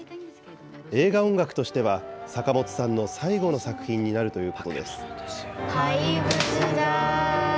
映画音楽としては、坂本さんの最後の作品になるということです。